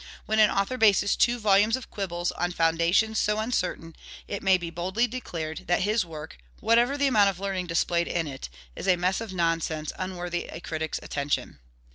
When an author bases two volumes of quibbles on foundations so uncertain, it may be boldly declared that his work, whatever the amount of learning displayed in it, is a mess of nonsense unworthy a critic's attention.